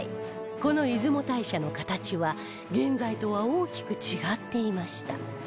この出雲大社の形は現在とは大きく違っていました